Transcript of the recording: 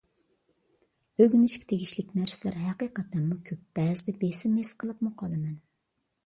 ئۆگىنىشكە تېگىشلىك نەرسىلەر ھەقىقەتەنمۇ كۆپ، بەزىدە بېسىم ھېس قىلىپمۇ قالىمەن.